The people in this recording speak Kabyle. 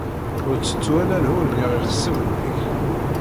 Ur ttettu ara lhul n yeɣixṣimen-ik.